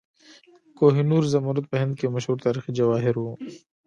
کوه نور زمرد په هند کې یو مشهور تاریخي جواهر و.